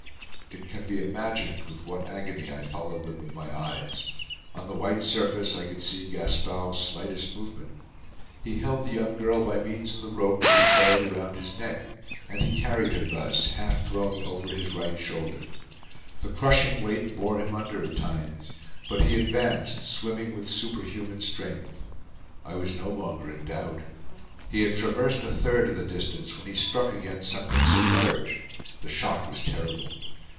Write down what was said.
It can be imagined with what agony I followed them with my eyes. On the white surface, I could see Gaspard's slightest movement. He held the young girl by means of the rope that he coiled around his neck; and he carried her thus, half thrown over his right shoulder. The crushing weight bore him under at times. But he advanced, swimming with superhuman strength. I was no longer in doubt. He had traversed a third of the distance when he struck against something submerged. The shock was terrible.